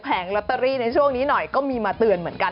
ลอตเตอรี่ในช่วงนี้หน่อยก็มีมาเตือนเหมือนกัน